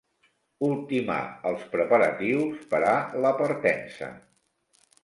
Ultimar els preparatius per a la partença.